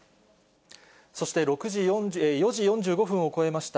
そして４時４５分を越えました。